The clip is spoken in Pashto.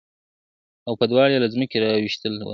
او په دواړو یې له مځکي را ویشتل وه ,